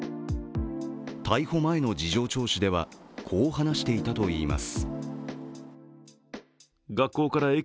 逮捕前の事情聴取ではこう話していたといいます。